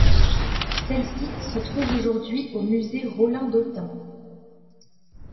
Celle-ci se trouve aujourd’hui au musée Rolin d’Autun.